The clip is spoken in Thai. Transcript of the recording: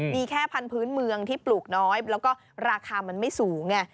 มีแค่พันธุ์เมืองที่ปลูกน้อยแล้วก็ราคามันไม่สูงไง